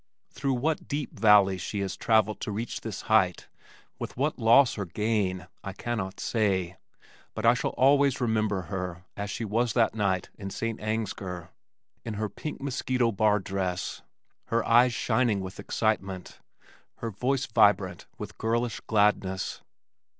Through what deep valleys she has travelled to reach this height, with what loss or gain, I cannot say, but I shall always remember her as she was that night in St. Ansgar, in her pink mosquito bar dress, her eyes shining with excitement, her voice vibrant with girlish gladness.